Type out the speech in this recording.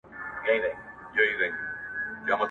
ولي هوډمن سړی د تکړه سړي په پرتله هدف ترلاسه کوي؟